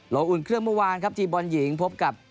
อุ่นเครื่องเมื่อวานครับทีมบอลหญิงพบกับ